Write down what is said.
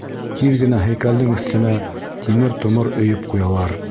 Тиҙ генә һәйкәлдең өҫтөнә тимер-томор өйөп ҡуялар.